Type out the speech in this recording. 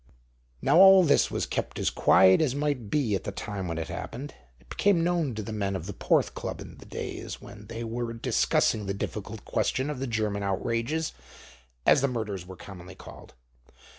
Now all this was kept as quiet as might be at the time when it happened; it became known to the men of the Porth Club in the days when they were discussing the difficult question of the German outrages, as the murders were commonly called.